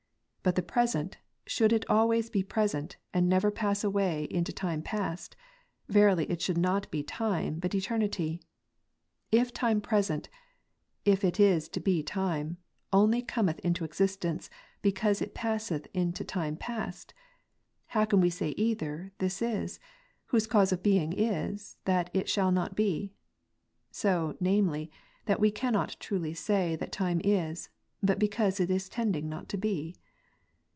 But the present, should/ it always be present, and never pass into time past, verily it should not be time, but eternity. If time present (if it is to be time) only cometh into existence, because it passeth into time past, how can we say that either this is, whose cause of being is, that it shall not be; so, namely, that we cannot truly say that time is, but because it is tending not to be